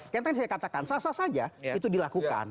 kan tadi saya katakan sah sah saja itu dilakukan